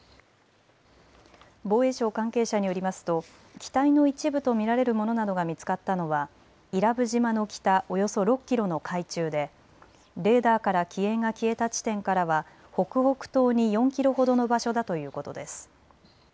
防衛省関係者によりますと機体の一部と見られるものなどが見つかったのは伊良部島の北およそ６キロの海中でレーダーから機影が消えた地点からは北北東に４キロほどの場所だということです。